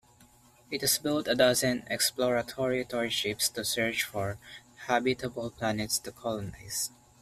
It has built a dozen exploratory torchships to search for habitable planets to colonize.